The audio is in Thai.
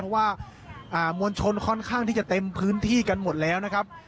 เพราะว่ามวลชนค่อนข้างที่จะเต็มพื้นที่กันหมดแล้วนะครับ